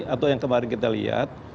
atau yang kemarin kita lihat